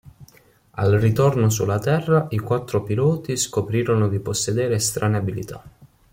Al ritorno sulla terra, i quattro piloti scoprirono di possedere strane abilità.